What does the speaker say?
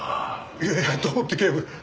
いやいやどうって警部